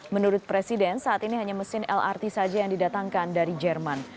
menurut presiden saat ini hanya mesin lrt saja yang didatangkan dari jerman